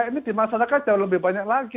ini dimasakkan jauh lebih banyak lagi